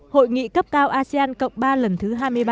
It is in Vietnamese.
hội nghị cấp cao asean cộng ba lần thứ hai mươi ba